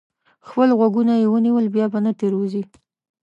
خپل غوږونه یې ونیول؛ بیا به نه تېروځي.